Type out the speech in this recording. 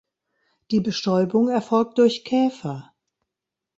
Die Bestäubung erfolgt durch Käfer.